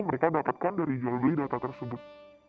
mereka dapatkan dari jual beli data tersebut